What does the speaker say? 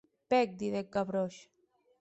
Pèc, didec Gavroche.